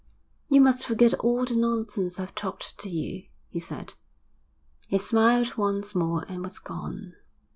'You must forget all the nonsense I've talked to you,' he said. He smiled once more and was gone.